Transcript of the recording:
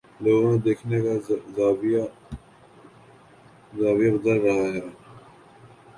لوگوں کا دیکھنے کا زاویہ اور ڈھنگ بدل رہا ہے